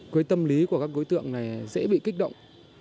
cái tâm lý của các đối tượng này dễ bị kích động